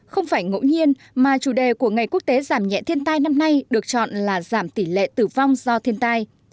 không phải ngẫu nhiên mà chủ đề của ngày quốc tế giảm nhẹ thiên tai năm nay được chọn là giảm tỷ lệ tử vong do thiên tai